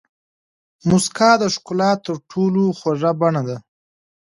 موسکا د ښکلا تر ټولو خوږه بڼه ده.